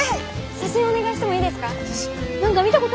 写真お願いしてもいいですか。